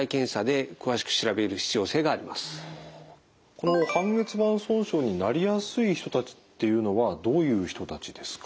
この半月板損傷になりやすい人たちっていうのはどういう人たちですか？